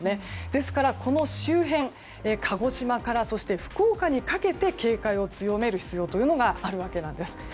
ですから、この周辺鹿児島から福岡にかけて警戒を強める必要があるわけです。